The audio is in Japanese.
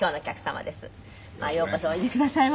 まあようこそおいでくださいました。